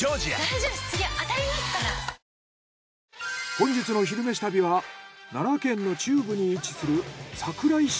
本日の「昼めし旅」は奈良県の中部に位置する桜井市でご飯調査。